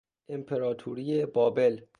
امپراتوری بابل